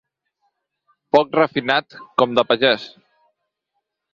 Poc refinat, com de pagès.